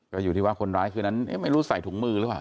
ก็อยู่ที่ว่าคนร้ายคืนนั้นไม่รู้ใส่ถุงมือหรือเปล่า